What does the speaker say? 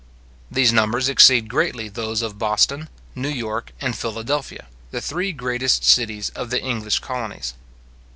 These numbers exceed greatly those of Boston, New York, and Philadelphia, the three greatest cities of the English colonies.